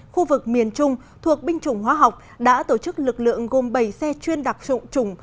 khu vực miền trung thuộc binh chủng hóa học đã tổ chức lực lượng gồm bảy xe chuyên đặc trụng